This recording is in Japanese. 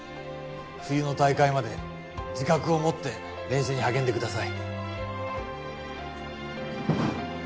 冬の大会まで自覚を持って練習に励んでください